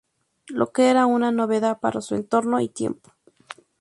Lo que era una novedad para su entorno y tiempo.